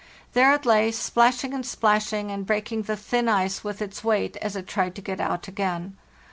There it lay, splashing and splashing and breaking the thin ice with its weight as it tried to get out again.